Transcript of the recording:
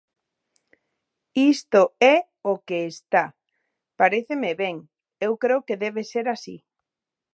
Isto é o que está, paréceme ben, eu creo que debe ser así.